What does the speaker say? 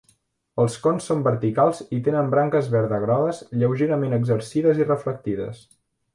Els cons són verticals i tenen branques verda-grogues lleugerament exercides i reflectides.